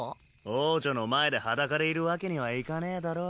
王女の前で裸でいるわけにはいかねぇだろ。